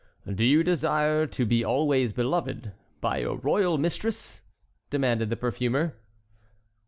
"Do you desire to be always beloved by your royal mistress?" demanded the perfumer.